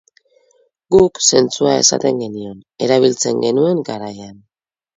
Guk zentzua esaten genion, erabiltzen genuen garaian.